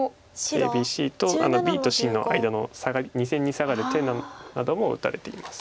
ＡＢＣとＢとＣの間の２線にサガる手なども打たれています。